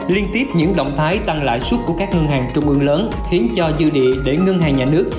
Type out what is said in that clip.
liên tiếp những động thái tăng lãi suất của các ngân hàng trung ương lớn khiến cho dư địa để ngân hàng nhà nước